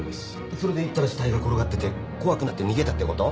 それで行ったら死体が転がってて怖くなって逃げたってこと？